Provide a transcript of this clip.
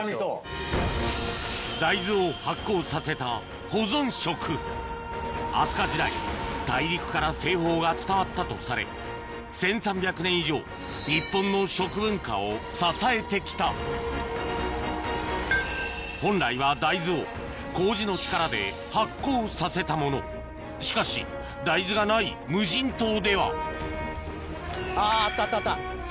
大豆を発酵させた保存食飛鳥時代大陸から製法が伝わったとされ１３００年以上日本の食文化を支えて来た本来は大豆を麹の力で発酵させたものしかし大豆がない無人島ではあぁあったあったあった。